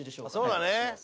そうだね。